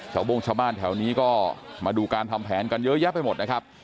โบ้งชาวบ้านแถวนี้ก็มาดูการทำแผนกันเยอะแยะไปหมดนะครับ